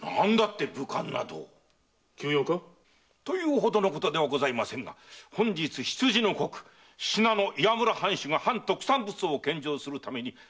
急用か？というほどのことではございませんが本日未の刻信濃岩村藩主が藩特産物を献上するためにお城に。